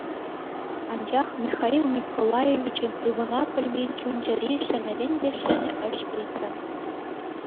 Анчах Михаил Николаевичӑн ывӑна пӗлмен чун-чӗри ҫӗнӗрен те ҫӗнӗ ĕç ыйтрӗ.